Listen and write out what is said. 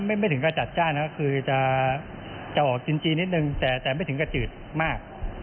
ไม่ถึงกระจัดจ้านก็คือจะออกจีนนิดนึงแต่ไม่ถึงกระจืดมาก